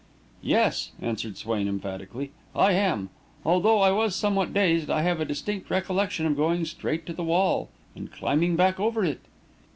"Yes," answered Swain, emphatically, "I am. Although I was somewhat dazed, I have a distinct recollection of going straight to the wall and climbing back over it."